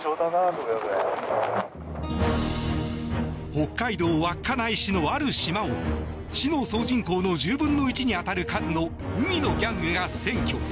北海道稚内市のある島を市の総人口の１０分の１に当たる数の海のギャングが占拠。